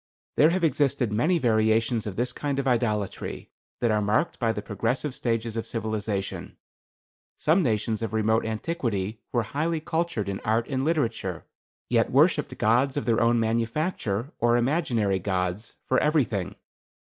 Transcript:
There have existed many variations of this kind of idolatry that are marked by the progressive stages of civilization. Some nations of remote antiquity were highly cultured in art and literature, yet worshipped gods of their own manufacture, or imaginary gods, for everything.